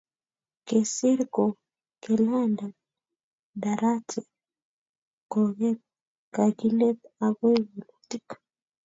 Kesir ko kelanda darachet kongete kakilet agoi walutik